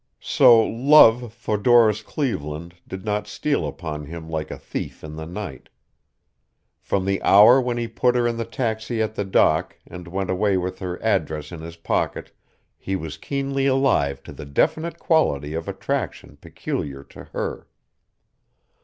So love for Doris Cleveland did not steal upon him like a thief in the night. From the hour when he put her in the taxi at the dock and went away with her address in his pocket, he was keenly alive to the definite quality of attraction peculiar to her.